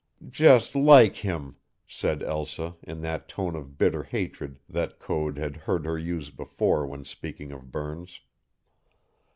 "Just like him," said Elsa in that tone of bitter hatred that Code had heard her use before when speaking of Burns.